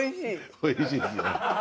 おいしいですよね。